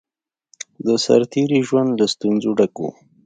د سرتېری ژوند له ستونزو ډک وو